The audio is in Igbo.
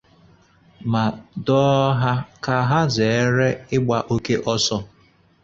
ma dụọ ha ka ha zèére ịgba oke ọsọ